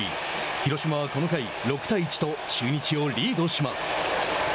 広島はこの回６対１と中日をリードします。